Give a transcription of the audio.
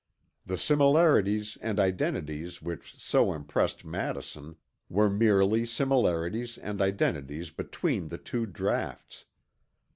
The similarities and identities which so impressed Madison were merely similarities and identities between the two draughts.